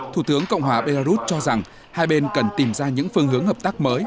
thủ tướng cộng hòa belarus cho rằng hai bên cần tìm ra những phương hướng hợp tác mới